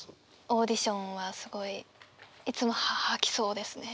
オーディションはすごいいつも吐きそうですね。